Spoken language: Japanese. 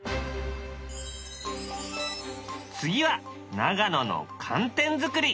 次は長野の寒天作り。